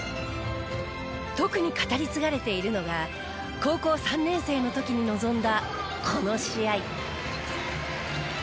特に語り継がれているのが高校３年生の時に臨んだこの試合。